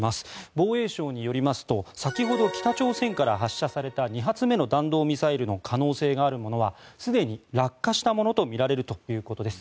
防衛省によりますと先ほど北朝鮮から発射された２発目の弾道ミサイルの可能性があるものはすでに落下したものとみられるということです。